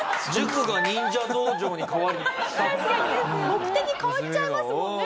目的変わっちゃいますもんね。